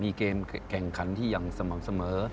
มีเกมแก่งคันที่ยังเสมอ